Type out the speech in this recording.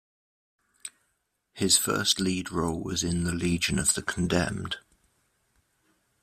His first lead role was in "The Legion of the Condemned".